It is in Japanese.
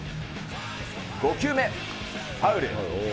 ５球目、ファウル。